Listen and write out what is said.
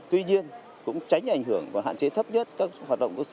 tuy nhiên cũng tránh ảnh hưởng và hạn chế thấp nhất các hoạt động